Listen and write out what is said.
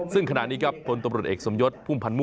ซึ่งขณะนี้ครับพลตำรวจเอกสมยศพุ่มพันธ์ม่วง